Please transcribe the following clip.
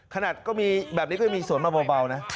ก็มีแบบนี้ก็ยังมีสวนมาเบานะ